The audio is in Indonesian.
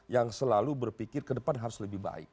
yang selalu berpikir ke depan harus lebih baik